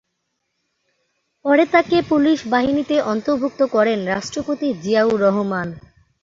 পরে তাকে পুলিশ বাহিনীতে অন্তর্ভুক্ত করেন রাষ্ট্রপতি জিয়াউর রহমান।